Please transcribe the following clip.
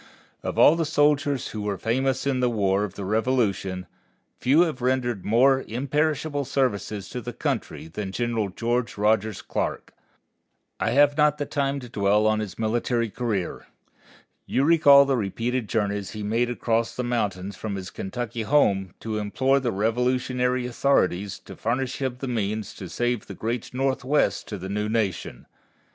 Of all the soldiers who were famous in the War of the Revolution, few have rendered more imperishable services to the country than General George Rogers Clark. I have not the time to dwell upon his military career. You recall the repeated journeys he made across the mountains from his Kentucky home to implore the Revolutionary authorities to furnish him the means to save the great Northwest to the new nation.